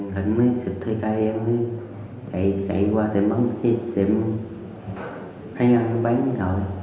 sao lê để uy hiếp xịt hơi cay để chống trả và tẩu thoát